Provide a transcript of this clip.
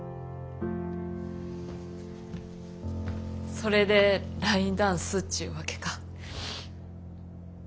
それでラインダンスっちゅうわけか。